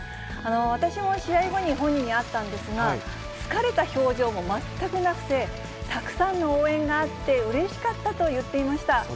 私も試合後に本人に会ったんですが、疲れた表情も全くなくて、たくさんの応援があってうれしかったと言っていました。